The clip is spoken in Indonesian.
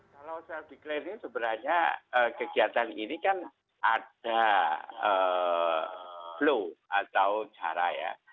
kalau self declare ini sebenarnya kegiatan ini kan ada flow atau cara ya